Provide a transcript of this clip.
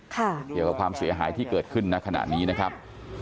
เกี่ยวกับความเสียหายที่เกิดขึ้นในขณะนี้นะครับ